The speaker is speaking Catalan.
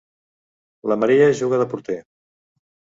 La Maria juga de porter.